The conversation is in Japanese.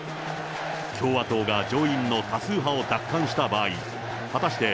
共和党が上院の多数派を奪還した場合、果たして、